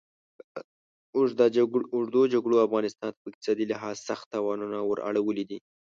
اوږدو جګړو افغانستان ته په اقتصادي لحاظ سخت تاوانونه ور اړولي دي.